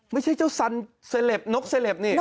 ไม่ใช่เจ้าสันเสล็บนกเสล็บนี่